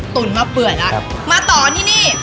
ตุ่นมาเปื่อยละมาต่อทีนี้